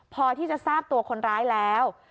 พอที่จะทราบตัวคนร้ายแล้ว